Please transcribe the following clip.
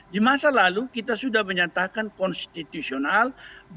di masa lalu kita sudah menyatakan konstitusional